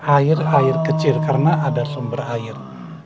air air kecil karena ada sumber air